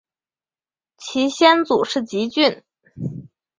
其先祖是汲郡。